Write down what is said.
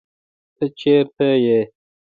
ته چېرته يې